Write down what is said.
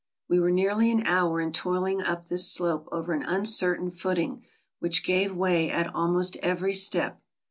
We were nearly an hour in toiling up this slope over an uncertain footing which gave way at almost every step.